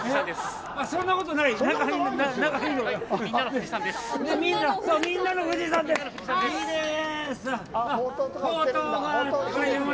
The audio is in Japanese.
そんなことない？